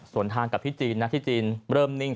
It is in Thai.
ส่วนทางกับที่จีนนะที่จีนเริ่มนิ่ง